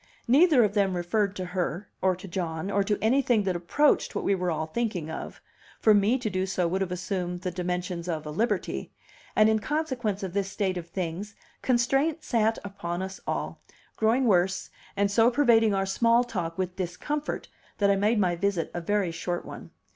Neither of them referred to her, or to John, or to anything that approached what we were all thinking of; for me to do so would have assumed the dimensions of a liberty; and in consequence of this state of things, constraint sat upon us all, growing worse, and so pervading our small talk with discomfort that I made my visit a very short one.